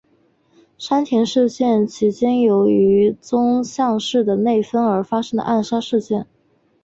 山田事件其间由于宗像氏的内纷而发生的暗杀事件。